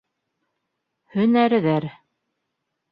Һөнәрҙәр